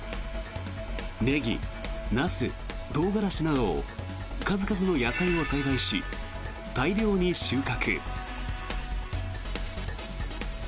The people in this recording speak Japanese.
ネギ、ナス、トウガラシなど数々の野菜を栽培し大量に収穫。